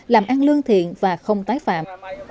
làm ăn lương thiện và không tái phạm